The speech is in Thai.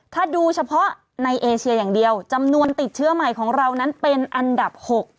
ถ้าดูเฉพาะในเอเชียอย่างเดียวจำนวนติดเชื้อใหม่ของเรานั้นเป็นอันดับ๖